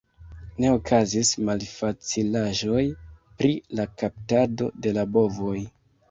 Ne okazis malfacilaĵoj pri la kaptado de la bovoj.